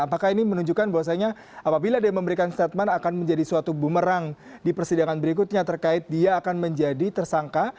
apakah ini menunjukkan bahwasanya apabila dia memberikan statement akan menjadi suatu bumerang di persidangan berikutnya terkait dia akan menjadi tersangka